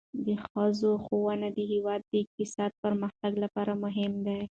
د ښځو ښوونه د هیواد د اقتصادي پرمختګ لپاره مهمه ده.